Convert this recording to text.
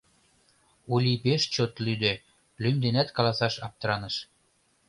— Ули пеш чот лӱдӧ, лӱм денат каласаш аптыраныш.